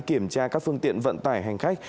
kiểm tra các phương tiện vận tải hành khách